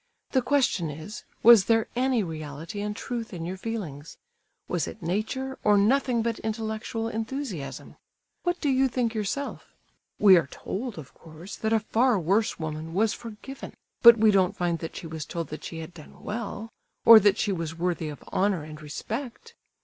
The question is, was there any reality and truth in your feelings? Was it nature, or nothing but intellectual enthusiasm? What do you think yourself? We are told, of course, that a far worse woman was forgiven, but we don't find that she was told that she had done well, or that she was worthy of honour and respect!